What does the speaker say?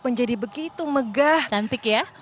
menjadi begitu megah cantik ya